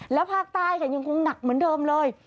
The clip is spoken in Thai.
แล้วภาคใต้ค่ะยังคงหนักเหมือนเดิมเลย